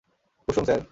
Kusum, sir.